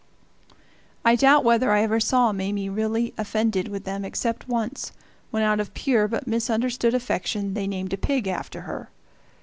I doubt whether I ever saw Mame really offended with them except once when, out of pure but misunderstood affection, they named a pig after her.